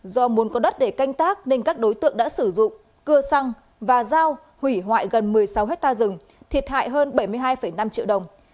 do muốn có đất để canh tác nên các đối tượng đã sử dụng cưa xăng và dao hủy hoại gần một mươi sáu hectare rừng thiệt hại hơn bảy mươi hai năm triệu đồng